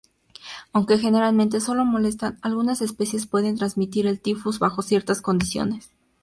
Aunque generalmente sólo molestan, algunas especies pueden transmitir el tifus bajo ciertas condiciones.